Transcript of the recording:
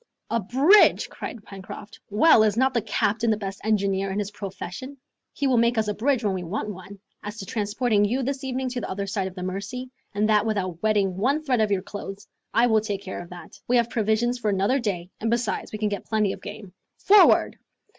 "A bridge!" cried Pencroft. "Well, is not the captain the best engineer in his profession? He will make us a bridge when we want one. As to transporting you this evening to the other side of the Mercy, and that without wetting one thread of your clothes, I will take care of that. We have provisions for another day, and besides we can get plenty of game. Forward!"